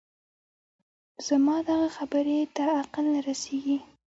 زما دغه خبرې ته عقل نه رسېږي